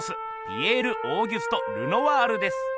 ピエール＝オーギュスト・ルノワールです。